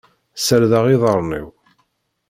Ssardeɣ iḍarren-iw.